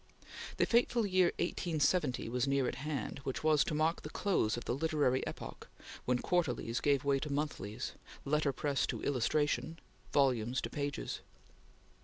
The fateful year 1870 was near at hand, which was to mark the close of the literary epoch, when quarterlies gave way to monthlies; letter press to illustration; volumes to pages.